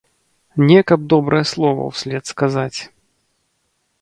Не каб добрае слова ўслед сказаць.